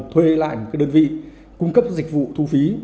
thuê lại một đơn vị cung cấp dịch vụ thu phí